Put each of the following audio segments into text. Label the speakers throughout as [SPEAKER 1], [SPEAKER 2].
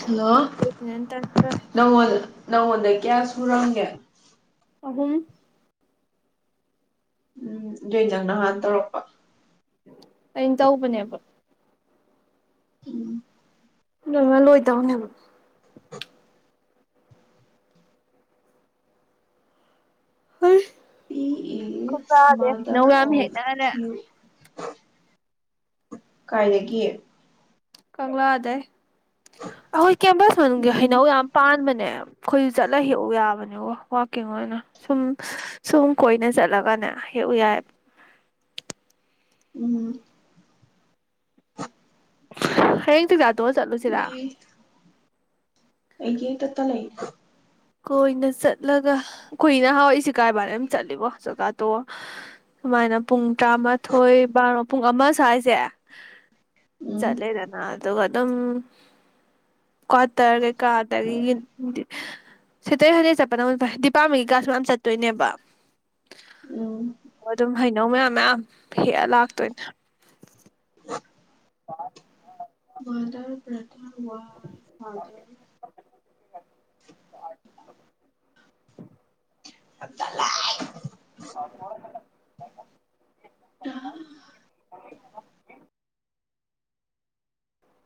[SPEAKER 1] hello
[SPEAKER 2] ꯇꯟꯈ꯭ꯔꯦ
[SPEAKER 1] ꯅꯪꯑꯣꯜ ꯅꯉꯣꯟꯗ ꯀꯌꯥ ꯁꯨꯔꯝꯒꯦ
[SPEAKER 2] ꯑꯍꯨꯝ
[SPEAKER 1] ꯎꯝ ꯑꯗꯩꯗ ꯅꯪꯍꯥꯟꯅ ꯇꯧꯔꯛꯄ
[SPEAKER 2] ꯑꯩꯅ ꯇꯧꯕꯅꯦꯕ
[SPEAKER 1] ꯎꯝ
[SPEAKER 2] ꯅꯪꯉꯣꯟꯗꯒꯤ ꯇꯧꯅꯕ ꯍꯩꯁ
[SPEAKER 1] ꯄꯤ ꯏꯁ ꯃꯥꯗ꯭ꯔ
[SPEAKER 2] ꯌꯥꯝ
[SPEAKER 1] ꯑꯣꯐ
[SPEAKER 2] ꯍꯦꯛꯅꯔꯦ
[SPEAKER 1] ꯀ꯭ꯌꯨ ꯀꯥꯔꯤꯒꯤ
[SPEAKER 2] ꯀꯪꯡꯂꯥꯗꯩ ꯑꯩꯈꯣꯏ ꯀꯦꯝꯄꯁ ꯃꯅꯨꯡꯒꯤ
[SPEAKER 1] ꯎꯝ
[SPEAKER 2] ꯍꯩꯅꯧ ꯌꯥꯝ ꯄꯥꯟꯕꯅꯦ ꯑꯩꯈꯣꯏꯁꯨ ꯆꯠꯂ ꯍꯦꯛꯎ ꯌꯥꯕꯅꯦꯀꯣ ꯋꯥꯛꯀꯤꯡ ꯑꯣꯏꯅ ꯁꯨꯝ ꯁꯨꯝ ꯀꯣꯏꯅ ꯆꯠꯂꯒꯅꯦ ꯍꯦꯛꯎ ꯌꯥꯏꯕ
[SPEAKER 1] ꯎꯝ
[SPEAKER 2] ꯍꯌꯦꯡ ꯇꯨꯗꯠ ꯂꯣ ꯆꯠꯂꯨꯁꯤꯔꯥ
[SPEAKER 1] ꯄꯤ ꯑꯩꯒꯤ ꯍꯦꯛ ꯇꯥꯏ
[SPEAKER 2] ꯀꯣꯏꯅ ꯆꯠꯂꯒ ꯀꯨꯏꯅ ꯍꯥꯎꯏꯁꯤ ꯀꯥꯏꯕꯥꯅꯦ ꯑꯗꯨꯝ ꯆꯠꯂꯤꯕꯣ ꯆꯥꯛꯆꯥꯇꯣꯛꯑꯒꯥ ꯁꯨꯃꯥꯏꯅ ꯄꯨꯡ ꯇꯔꯥꯃꯥꯊꯣꯏ ꯕꯥꯔꯣ ꯄꯨꯡ ꯑꯃ ꯁ꯭ꯋꯥꯏꯁꯦ
[SPEAKER 1] ꯎꯝ
[SPEAKER 2] ꯆꯠꯂꯦꯗꯅ ꯑꯗꯨꯒꯥ ꯇꯪ ꯀ꯭ꯋꯥꯇꯔ ꯀꯩꯀꯥꯗꯒꯤ ꯗꯤꯟ ꯁꯦꯇꯔꯗꯦ ꯁꯦꯠꯇꯔꯗꯦ ꯆꯠꯄꯗꯣ ꯗꯤꯄꯥꯔꯠꯃꯦꯟꯒꯤ ꯀꯂ꯭ꯥꯁ ꯃꯌꯥꯝ ꯆꯠꯇꯣꯏꯅꯦꯕ
[SPEAKER 1] ꯎꯝ
[SPEAKER 2] ꯑꯗꯨꯝ ꯍꯩꯅꯧ ꯃꯌꯥꯝ ꯃꯌꯥꯝ ꯍꯦꯛꯑ ꯂꯥꯛꯇꯣꯏꯅꯦ ꯑꯥ ꯑꯥ
[SPEAKER 1] ꯋꯥꯗ꯭ꯔꯕꯔꯠ ꯋꯥꯢ ꯐꯥꯗꯔ [inaudible]
[SPEAKER 2] [inaudible]
[SPEAKER 1] ꯍꯛ ꯆꯜꯂꯥꯢ ꯇꯥ
[SPEAKER 2] [unintelligible]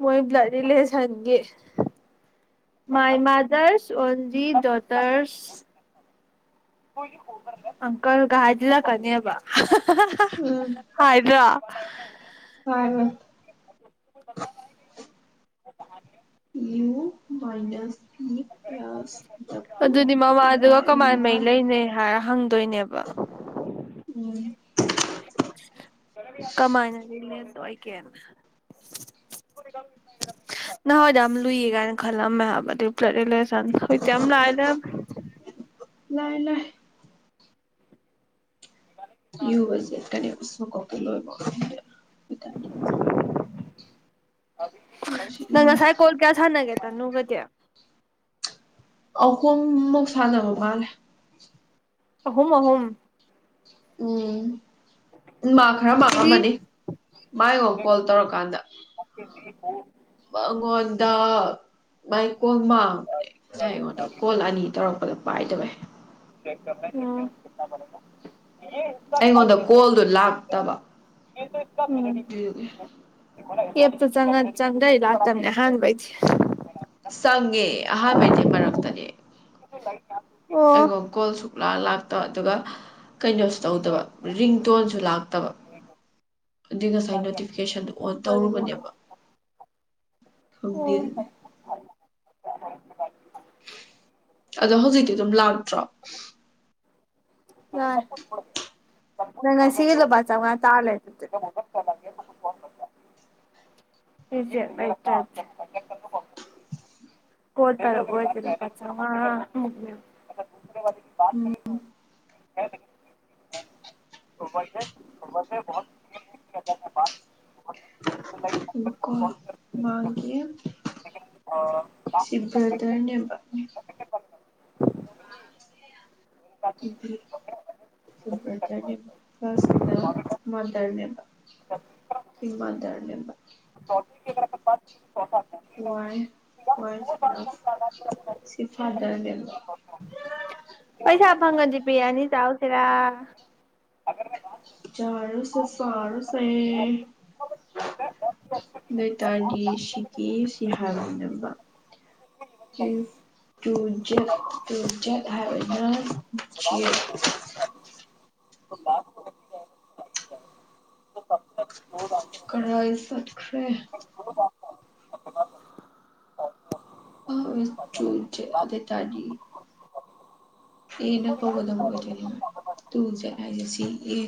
[SPEAKER 2] ꯃꯣꯏ ꯕ꯭ꯂꯠ ꯔꯤꯂꯦꯁꯟꯒꯤ ꯃꯥꯏ ꯃꯥꯗ꯭ꯔꯁ ꯑꯣꯡꯂꯤ ꯗꯣꯇ꯭ꯔꯁ ꯑꯪꯡꯀꯜꯒ ꯍꯥꯢꯖꯜꯂꯛ ꯀꯥꯅꯤꯕ ꯍꯥ ꯍꯥ ꯍꯥ ꯍꯥ ꯍꯥ ꯍꯥꯏꯥꯗ꯭ꯔꯣ
[SPEAKER 1] ꯂꯥꯢꯃꯟ
[SPEAKER 2] ꯅꯠꯇꯦ ꯍꯥꯢꯕꯌꯦ
[SPEAKER 1] U minus P plus W
[SPEAKER 2] ꯑꯗꯨꯗꯤ
[SPEAKER 1] ꯗꯤꯚꯥꯏꯗꯦꯠ
[SPEAKER 2] ꯃꯃꯥꯗꯨꯒ
[SPEAKER 1] ꯕꯥꯏ
[SPEAKER 2] ꯀꯃꯥꯏꯅ ꯃꯔꯤ
[SPEAKER 1] ꯋꯥꯏ
[SPEAKER 2] ꯂꯩꯅ ꯍꯥꯏꯔꯣ ꯍꯪꯡ ꯗꯣꯏꯅꯦꯕ
[SPEAKER 1] ꯎꯝ
[SPEAKER 2] ꯀꯃꯥꯏꯅꯗꯤ ꯂꯦꯞꯇꯣꯏꯒꯦ ꯅꯣꯏꯗꯣ ꯌꯥꯝ ꯂꯨꯏ ꯀꯥꯏꯅ ꯈꯜꯂꯝꯃꯦ ꯍꯥꯏꯕ ꯑꯗꯨ ꯄꯜꯦꯇꯤꯂꯦꯁ ꯂꯝꯊꯣꯢꯖꯝ ꯂꯥꯢꯂꯝ
[SPEAKER 1] ꯂꯥꯏ ꯂꯥꯏ ꯌꯨꯑꯁꯦꯠꯀꯅꯤ ꯢꯁꯨ ꯀꯧꯇꯥ ꯂꯣꯢꯃꯥ ꯈꯪꯡꯗꯦ ꯢꯊꯟꯇꯤ ꯀꯤ
[SPEAKER 2] ꯅꯪ
[SPEAKER 1] ꯂꯩꯔꯦ
[SPEAKER 2] ꯉꯥꯁꯥꯢ ꯀꯣꯜ ꯀꯌꯥ ꯁꯥꯅꯒꯦ ꯇꯥꯅꯨꯕꯗꯤ
[SPEAKER 1] ꯑꯍꯨꯝ ꯃꯨꯛ ꯁꯥꯟꯅꯕ ꯃꯥꯜꯂꯦ
[SPEAKER 2] ꯑꯍꯨꯝ ꯑꯍꯨꯝ
[SPEAKER 1] ꯎꯝ ꯃꯥ ꯈꯔꯥ
[SPEAKER 2] ꯉꯁꯤꯒꯤ
[SPEAKER 1] ꯃꯥꯡꯉꯝꯃꯅꯤ ꯃꯥꯏꯑꯣ ꯀꯣꯜ ꯇꯧꯔꯛꯀꯥꯟꯗ ꯃꯉꯣꯟꯗ ꯃꯥꯏ ꯀꯣꯜ ꯃꯥꯡꯕꯅꯦ ꯉꯁꯥꯏ ꯑꯩꯉꯣꯟꯗꯣ ꯀꯣꯜ ꯑꯅꯤ ꯇꯧꯔꯛ ꯑꯩꯂ ꯄꯥꯏꯗꯕꯩ
[SPEAKER 2] [inaudible]
[SPEAKER 1] ꯑꯩꯉꯣꯟꯗ ꯀꯣꯜꯗꯨ ꯂꯥꯛꯇꯕ ꯗꯨꯒꯤ
[SPEAKER 2] ꯑꯦꯞꯇꯨ ꯆꯪꯡꯉꯥ ꯆꯪꯡꯗ꯭ꯔꯥꯗꯤ ꯂꯥꯛꯇꯥꯕꯅꯦ ꯑꯍꯥꯝꯕꯩꯗꯤ
[SPEAKER 1] ꯆꯪꯉꯦ ꯑꯍꯥꯟꯕꯩꯗꯤ ꯃꯔꯛꯇꯅꯦ
[SPEAKER 2] ꯔꯨꯃꯩ
[SPEAKER 1] ꯑꯩꯒ ꯀꯣꯜꯁꯨ ꯂꯥ ꯂꯥꯛꯇꯥ ꯑꯗꯨꯒ ꯀꯩꯅꯣꯁꯨ ꯇꯧꯗꯕ ꯔꯤꯡ ꯇꯣꯟꯁꯨ ꯂꯥꯛꯇꯕ ꯑꯗꯨꯢ ꯉꯁꯥꯏ ꯅꯣꯇꯤꯐꯤꯀꯦꯁꯟꯗꯣ ꯑꯣꯟ
[SPEAKER 2] ꯀꯔꯤꯒꯤꯅꯣ ꯑꯣ
[SPEAKER 1] ꯇꯧꯔꯨꯕꯅꯦꯕ ꯈꯪꯗꯦ ꯑꯗꯨꯅꯦ ꯑꯗꯣ ꯍꯧꯖꯤꯛꯇꯤ ꯑꯗꯨꯝ ꯂꯥꯛꯇ꯭ꯔꯣ
[SPEAKER 2] ꯑ ꯅꯪ ꯉꯥꯁꯤꯒꯤ ꯂꯨꯄꯥ ꯆꯧꯉꯥ ꯇꯥꯜꯂꯦ ꯑꯗꯨꯗꯤ [unintelligible] ꯀꯣꯜ ꯇꯧꯔꯛꯑꯣꯢ ꯗ꯭ꯔꯥꯗꯤ ꯂꯨꯄꯥ ꯆꯧꯉꯥ ꯃꯨꯛꯅꯦꯕ [inaudible] [unintelligible]
[SPEAKER 1] ꯃꯀꯣ ꯃꯒꯤ ꯁꯤ ꯕ꯭ꯔꯗꯔꯅꯦꯕ [inaudible]
[SPEAKER 2] [inaudible]
[SPEAKER 1] [inaudible] ꯑꯗꯨ ꯕ꯭ꯔꯗꯔ ꯅꯦꯕ ꯐꯥꯔꯁꯅ ꯃꯥꯗꯔ ꯅꯦꯕ ꯁꯤ ꯃꯥꯗꯔ ꯅꯦꯕ [inaudible] [unintelligible] ꯐꯥꯗꯔꯅꯦꯕ
[SPEAKER 2] [unintelligible] ꯄꯩꯁꯥ ꯐꯪꯉꯗꯤ ꯕꯤꯔꯌꯥꯅꯤ ꯆꯥꯎ [unintelligible]
[SPEAKER 1] ꯆꯥꯔꯨꯁꯦ ꯆꯥꯔꯨꯁꯦ ꯗꯨꯏꯇꯥꯔꯗꯤ ꯁꯤꯒꯤ ꯁꯤ ꯍꯥꯏꯕꯅꯦꯕ ꯆꯤꯁ [unintelligible]
[SPEAKER 2] [inaudible]
[SPEAKER 1] ꯀꯔꯥꯏ ꯆꯠꯈ꯭ꯔꯦ [unintelligible] ꯑꯗꯨꯏ ꯇꯥꯔꯗꯤ ꯑꯦꯅ ꯀꯧꯒꯗꯕ ꯑꯣꯏꯗꯣꯏꯅꯦꯕ ꯇꯨ ꯆ ꯍꯥꯏꯁꯦ ꯁꯤ ꯑꯦ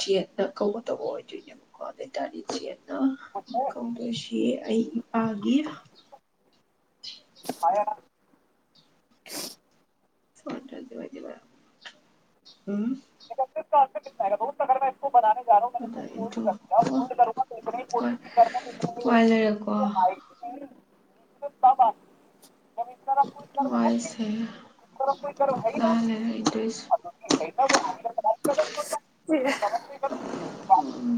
[SPEAKER 1] ꯖꯦꯠꯅ ꯀꯧꯕꯒꯗꯧꯕ ꯑꯣꯏꯗꯣꯏꯅꯦꯕꯀꯣ ꯑꯗꯨꯑꯣꯏ ꯇꯥꯔꯗꯤ ꯖꯦꯠꯅ ꯀꯧꯕꯗꯣꯏꯁꯤ ꯑꯩ ꯏꯄꯥꯒꯤ [unintelligible]
[SPEAKER 2] [unintelligible]
[SPEAKER 1] ꯑꯗ ꯏꯗꯨ ꯑꯣ ꯍꯣꯏ ꯋꯥꯏ ꯂꯩꯔꯦꯀꯣ ꯋꯥꯏꯁꯦ ꯂꯥꯜꯂꯦꯅ ꯏꯗꯣꯏꯁꯦ [inaudible]
[SPEAKER 2] [inaudible]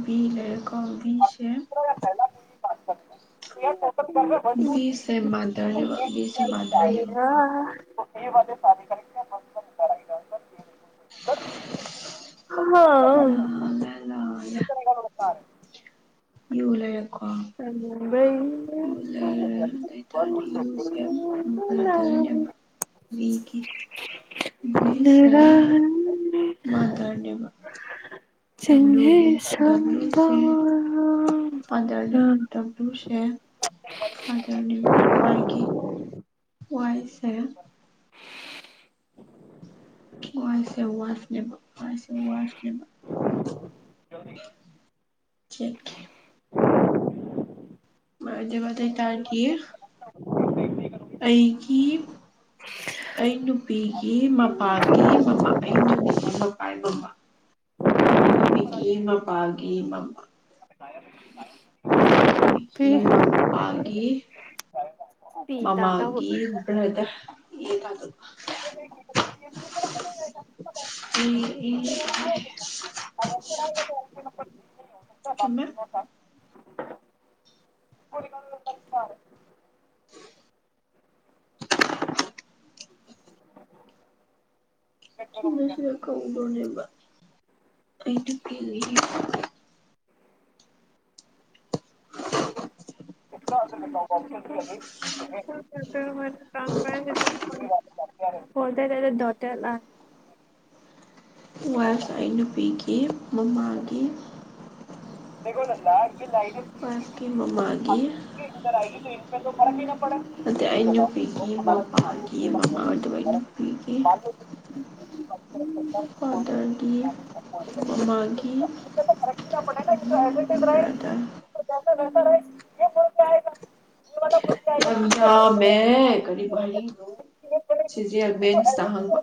[SPEAKER 1] ꯕꯤ ꯂꯩꯔꯦꯀꯣ ꯕꯤꯁꯦ ꯕꯤꯁꯦ ꯃꯥꯗꯔꯅꯦꯕ ꯕꯤꯁꯦ ꯃꯥꯗꯔꯅꯦꯕꯀꯣ [inaudible] ꯂꯥꯜꯂꯦ ꯂꯥꯜꯂꯦ ꯌꯨ ꯂꯩꯔꯦꯀꯣ ꯌꯨ ꯂꯩꯔꯦ ꯑꯗꯨꯏ ꯇꯔꯗꯤ ꯌꯨꯁꯦꯝ ꯕ꯭ꯔꯗꯔꯅꯦꯕ ꯕꯤꯒꯤ ꯚꯤꯁꯦ ꯃꯥꯗꯔꯅꯦꯕ ꯗꯕꯂꯤꯎꯒꯤ ꯗꯕꯂꯤꯎ ꯁꯦ ꯐꯥꯗꯔꯅꯦꯕ ꯗꯕ꯭ꯂꯤꯎꯁꯦ ꯐꯥꯗꯔꯅꯦꯕ ꯋꯥꯏꯒꯤ ꯋꯥꯏꯁꯦ ꯋꯥꯥꯏꯁꯦ ꯋꯥꯥꯐꯅꯦꯕ ꯋꯥꯥꯏꯁꯦ ꯋꯥꯥꯐꯅꯦꯕ [unintelligible] ꯃꯥꯥꯏꯗꯤ ꯕꯗꯩ ꯇꯥꯔꯀꯤ ꯑꯩꯒꯤ ꯑꯩ ꯅꯨꯄꯤꯒꯤ ꯃꯄꯥꯒꯤ ꯃꯃꯥ ꯑꯩ ꯅꯨꯄꯤꯒꯤ ꯃꯄꯥ ꯃꯃꯥ ꯑꯩ ꯅꯨꯄꯤꯒꯤ ꯃꯄꯥꯒꯤ ꯃꯃꯥ ꯅꯨꯄꯤꯒꯤ ꯃꯄꯥꯒꯤ ꯃꯃꯥꯒꯤ ꯕ꯭ꯔꯗꯔ [unintelligible] [inaudible] ꯆꯨꯝꯃꯦ [unintelligible]
[SPEAKER 2] [unintelligible] [unintelligible]
[SPEAKER 1] ꯋꯥꯏꯐ ꯑꯩ ꯅꯨꯄꯤꯒꯤ ꯃꯃꯥꯒꯤ
[SPEAKER 2] ꯒꯤꯂꯥꯏ
[SPEAKER 1] ꯋꯥꯏꯐꯀꯤ ꯃꯃꯥꯒꯤ
[SPEAKER 2] [unintelligible]
[SPEAKER 1] ꯑꯗ ꯑꯩ ꯅꯨꯄꯤꯒꯤ ꯃꯄꯥꯒꯤ ꯒꯤ ꯃꯃꯥ ꯑꯣꯏꯗꯣꯏꯕ ꯑꯩ ꯅꯨꯄꯤꯒꯤ ꯐꯥꯗꯔꯒꯤ ꯃꯃꯥꯒꯤ [inaudible] ꯕ꯭ꯔꯗꯔ ꯌꯥꯝ ꯌꯥꯝꯃꯦ ꯀꯔꯤꯕꯨ ꯍꯥꯏꯅꯤꯡꯉꯤꯅꯣ ꯁꯤꯖꯦ ꯕꯦꯟꯁꯇ ꯍꯥꯡꯕ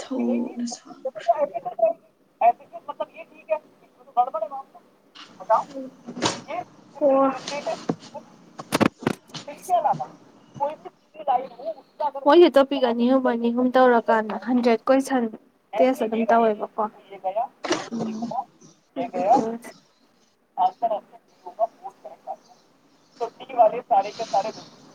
[SPEAKER 1] ꯊꯨꯅ ꯁꯥꯡꯈ꯭ꯔꯦ
[SPEAKER 2] ꯃꯣꯏꯖꯤ ꯇꯣꯄꯤꯛ ꯑꯅꯤ ꯑꯍꯨꯝ ꯑꯅꯤ ꯑꯍꯨꯝ ꯇꯧꯔꯀꯥꯟꯗ ꯍꯟꯗ꯭ꯔꯦꯠ ꯀꯣꯏꯁꯟ ꯇꯦꯁ ꯑꯗꯨꯝ ꯇꯧꯋꯦꯕꯀꯣ [inaudible] ꯁꯔꯦ ꯀ ꯁꯔꯦ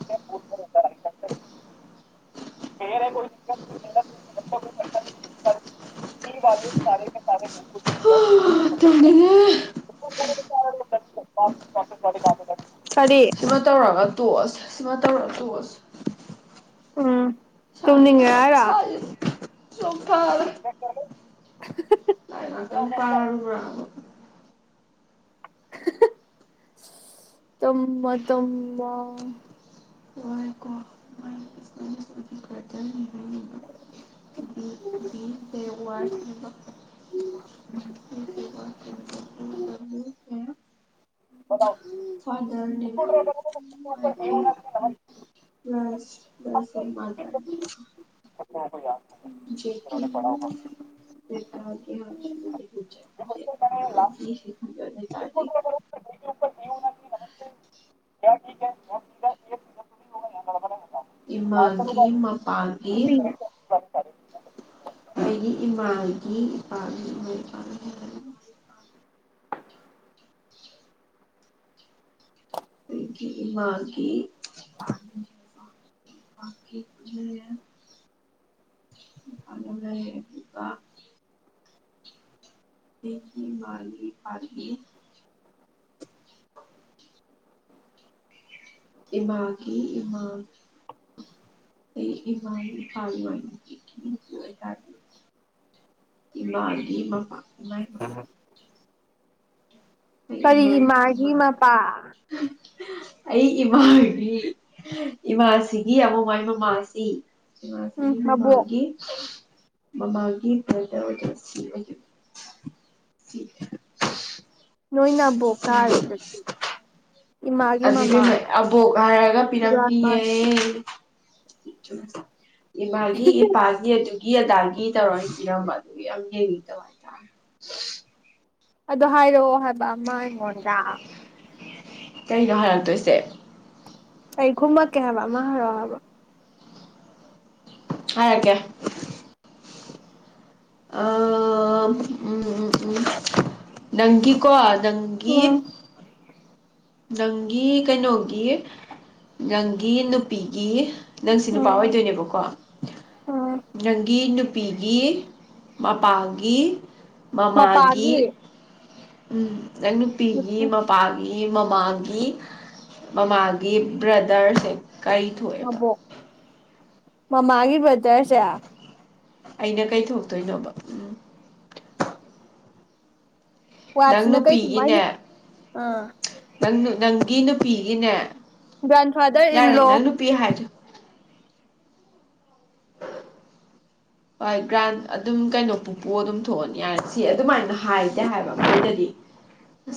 [SPEAKER 2] [unintelligible] [inaudible]
[SPEAKER 1] ꯇꯨꯝꯅꯤꯡꯉꯦ
[SPEAKER 2] ꯀꯔꯤ
[SPEAKER 1] ꯁꯤꯃ ꯇꯧꯔꯒ ꯇꯣꯛꯑꯁꯤ ꯁꯤꯨꯃ ꯇꯧꯔꯒ ꯇꯣꯛꯑꯁꯤ
[SPEAKER 2] ꯎꯝ ꯇꯨꯝꯅꯤꯡꯉꯦ ꯍꯥꯏꯔꯣ
[SPEAKER 1] ꯆ [unintelligible] [inaudible] ꯆꯣꯛꯊꯔꯦ ꯂꯥꯏꯔꯤꯛ ꯉꯥꯛꯇꯪ ꯄꯥꯔꯨꯕ꯭ꯔꯕꯨ
[SPEAKER 2] ꯇꯨꯃꯣ ꯇꯨꯃꯣ
[SPEAKER 1] ꯄꯥꯏꯌꯨꯀꯣ ꯍꯥꯏꯅꯤꯡꯕ ꯋꯥꯝ ꯋꯥꯢ ꯁꯤꯅꯤꯗ [unintelligible] ꯊꯥꯎꯗꯔꯅꯦꯕ [unintelligible] [unintelligible] ꯏꯃꯥꯒꯤ ꯃꯄꯥꯒꯤ ꯑꯩꯒꯤ ꯏꯃꯥꯒꯤ ꯏꯄꯥꯒꯤ ꯏꯕꯨꯡ ꯏꯄ꯭ꯋꯥ ꯍꯥꯏ ꯑꯩꯒꯤ ꯏꯃꯥꯒꯤ [unintelligible] ꯏꯃꯥꯒꯤ ꯏꯄꯥꯒꯤ ꯏꯃꯥꯒꯤ ꯏꯃꯥ ꯑꯩ ꯏꯃꯥꯒꯤ [unintelligible] ꯀꯥꯜꯃ ꯏꯃꯥꯒꯤ ꯃꯄꯥ ꯑꯩ
[SPEAKER 2] ꯀꯔꯤꯒꯤ
[SPEAKER 1] ꯏꯃꯥꯒꯤ
[SPEAKER 2] ꯃꯥꯒꯤ
[SPEAKER 1] ꯏꯃꯥ
[SPEAKER 2] ꯃꯄꯥ
[SPEAKER 1] ꯑꯩ ꯏꯃꯥꯒꯤ ꯏꯃꯥꯁꯤꯒꯤ ꯑꯃꯨꯛ ꯃꯥꯏ ꯃꯃꯥꯁꯤ
[SPEAKER 2] ꯎꯝ ꯃꯕꯣꯛ
[SPEAKER 1] ꯃꯥꯒꯤ ꯃꯃꯥꯒꯤ [unintelligible] ꯔꯗꯁꯤ
[SPEAKER 2] ꯅꯣꯏ ꯅꯕꯣꯛ ꯇꯥꯔꯦ ꯑꯗꯨꯗꯤ ꯏꯃꯥꯒꯤ
[SPEAKER 1] ꯑꯗꯨꯗꯤ
[SPEAKER 2] ꯃꯃꯥ
[SPEAKER 1] ꯑꯕꯣꯛ ꯍꯥꯏꯔꯒ ꯄꯤꯔꯝꯃꯤꯌꯦ
[SPEAKER 2] ꯍꯨꯔꯥꯟ
[SPEAKER 1] ꯏꯃꯥꯒꯤ ꯏꯄꯥꯒꯤ ꯑꯗꯨꯒꯤ ꯑꯗꯥꯒꯤ ꯇꯧꯔ ꯏꯔꯝꯕ ꯑꯗꯨ ꯌꯥꯝ ꯌꯦꯡꯅꯤꯡꯇꯕ ꯍꯥꯏꯇꯥꯔꯦ
[SPEAKER 2] ꯑꯗ ꯍꯥꯏꯔꯛꯑꯣ ꯍꯥꯏꯕ ꯑꯃ ꯑꯩꯉꯣꯟꯗ
[SPEAKER 1] ꯀꯩꯅꯣ ꯍꯥꯏꯔꯛꯇꯣꯏꯁꯦ
[SPEAKER 2] ꯑꯩ ꯈꯨꯝꯃꯛꯀꯦ ꯍꯥꯏꯕ ꯑꯃ ꯍꯥꯏꯔꯛꯑꯣ ꯍꯥꯏꯕ
[SPEAKER 1] ꯍꯥꯏ ꯔꯛꯀꯦ ꯑ ꯎꯝ ꯎꯝ ꯅꯪꯒꯤ ꯀꯣ ꯅꯪꯒꯤ
[SPEAKER 2] ꯎꯝ
[SPEAKER 1] ꯅꯪꯒꯤ ꯀꯩꯅꯣꯒꯤ ꯅꯪꯒꯤ ꯅꯨꯄꯤꯒꯤ ꯅꯪꯁꯤ ꯅꯨꯄꯥ
[SPEAKER 2] ꯎꯝ
[SPEAKER 1] ꯑꯣꯏꯗꯣꯏꯅꯦꯕꯀꯣ
[SPEAKER 2] ꯎꯝ
[SPEAKER 1] ꯅꯪꯒꯤ ꯅꯨ ꯅꯨꯄꯤꯒꯤ ꯃꯄꯥꯒꯤ ꯃꯃꯥꯒꯤ
[SPEAKER 2] ꯃꯄꯥꯒꯤ
[SPEAKER 1] ꯎꯝ ꯅꯪ ꯅꯨꯄꯤꯒꯤ
[SPEAKER 2] ꯅꯨꯄꯤ
[SPEAKER 1] ꯃꯄꯥꯒꯤ ꯏ ꯃꯛ ꯃꯥꯒꯤ ꯃꯃꯥꯒꯤ ꯕ꯭ꯔꯗꯔꯁꯦ ꯀꯩ ꯊꯣꯛꯑꯦꯕ
[SPEAKER 2] ꯃꯕꯣꯛ ꯃꯃꯥꯒꯤ ꯋꯦꯗꯔ ꯖꯦꯌ
[SPEAKER 1] ꯑꯩꯅ ꯀꯩ ꯊꯣꯛꯇꯣꯏꯅꯣꯕ ꯎꯝ ꯅꯪ
[SPEAKER 2] ꯋꯥꯠꯁꯤꯅ ꯀꯩ
[SPEAKER 1] ꯅꯨꯄꯤꯒꯤꯅꯦ
[SPEAKER 2] ꯀꯨꯃꯥꯏꯃꯤꯠ ꯑꯥ
[SPEAKER 1] ꯅꯪ ꯅꯪꯒꯤ ꯅꯨꯄꯤꯒꯤꯅꯦ
[SPEAKER 2] ꯭ꯒꯔꯥꯟꯐꯥꯗꯔ ꯏꯟ
[SPEAKER 1] ꯌꯥꯔꯦ
[SPEAKER 2] ꯂꯣ
[SPEAKER 1] ꯅꯪ ꯅꯨꯄꯤ ꯍꯥꯏꯔꯣ ꯍꯣꯏ ꯒ꯭ꯔꯥꯟ ꯑꯗꯨꯝ ꯀꯩꯅꯣ ꯄꯨꯄꯨ ꯑꯗꯨꯝ ꯊꯣꯛꯑꯅꯤ ꯌꯥꯔꯦ ꯁꯤ ꯑꯗꯨꯃꯥꯏꯅ ꯍꯥꯏꯁ ꯍꯥꯏꯕ ꯃꯣꯏꯅꯗꯤ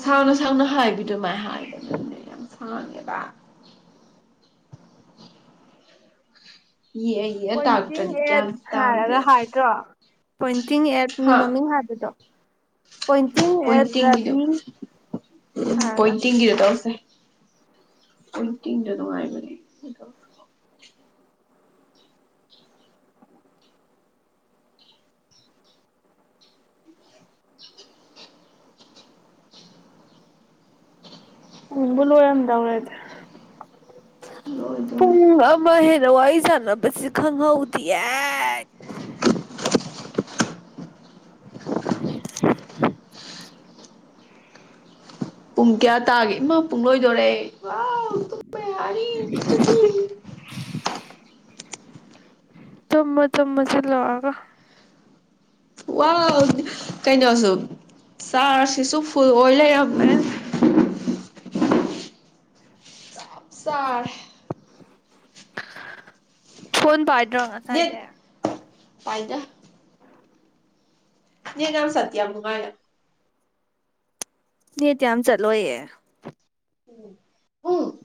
[SPEAKER 1] ꯁꯥꯡꯅ ꯁꯥꯡꯅ ꯍꯥꯏ ꯗꯨꯃꯥꯏꯍꯥꯏ
[SPEAKER 2] [inaudible]
[SPEAKER 1] ꯍꯥꯡꯉꯦꯕ ꯌꯦꯛꯑ ꯌꯦꯛꯑ
[SPEAKER 2] ꯄꯣꯏꯟꯇꯤꯡ
[SPEAKER 1] ꯇꯥꯛꯇ꯭ꯔꯗꯤ
[SPEAKER 2] ꯑꯦꯠ
[SPEAKER 1] ꯒ꯭ꯌꯥꯟ
[SPEAKER 2] ꯍꯥꯏꯔꯒ
[SPEAKER 1] ꯇꯥꯗꯦꯕ
[SPEAKER 2] ꯍꯥꯏꯗ꯭ꯔꯣ ꯄꯣꯏꯟꯇꯤꯡ ꯑꯦꯠ ꯃꯤ
[SPEAKER 1] ꯍꯥ
[SPEAKER 2] ꯃꯃꯤꯡ ꯍꯥꯏꯕꯗꯣ ꯄꯣꯏꯟꯇꯤꯡ ꯑꯦꯠ
[SPEAKER 1] ꯄꯣꯏꯟꯇꯤꯡꯒꯤꯗꯣ
[SPEAKER 2] ꯔꯕꯤ ꯍꯥꯏꯔꯒ
[SPEAKER 1] ꯄꯣꯏꯟꯇꯤꯡꯒꯤꯗꯣ ꯇꯧꯁꯦ ꯐꯨꯜ ꯀꯤꯡꯗꯣ ꯅꯨꯡꯉꯥꯏꯕꯅꯦ
[SPEAKER 2] ꯎꯡꯕ ꯂꯣꯏꯔꯝꯗꯧꯔꯦꯗ
[SPEAKER 1] ꯂꯣꯏꯗꯣꯔꯦ
[SPEAKER 2] ꯄꯨꯡ ꯑꯃ ꯍꯦꯟꯅꯋꯥꯏ ꯁꯥꯟꯅꯕꯁꯤꯦ ꯈꯪꯍꯧꯗꯦ ꯌꯦ [unintelligible]
[SPEAKER 1] ꯄꯨꯡ ꯀꯌꯥ ꯇꯥꯒꯦ ꯏꯃꯥ ꯄꯨꯡꯂꯣꯏꯗꯣꯔꯦ
[SPEAKER 2] [unintelligible] ꯇꯨꯡꯃꯣ ꯇꯨꯡꯃꯣ ꯆꯠꯂꯨꯔꯒ
[SPEAKER 1] ꯋꯥ ꯀꯩꯅꯣꯁꯨ ꯆꯥꯔꯁꯤꯁꯨ ꯐꯨꯜ ꯑꯣꯏ ꯂꯩꯔꯝꯃꯦ ꯆꯔꯦ
[SPEAKER 2] ꯐꯣꯟ ꯄꯥꯏ ꯇꯔꯣ
[SPEAKER 1] ꯅꯦꯠ
[SPEAKER 2] ꯉꯁꯥꯏꯗꯩ
[SPEAKER 1] ꯄꯥꯏꯗ [unintelligible]
[SPEAKER 2] ꯅꯦꯠꯇꯤ ꯌꯥꯝ ꯆꯠꯂꯣꯌꯦ
[SPEAKER 1] ꯎꯝ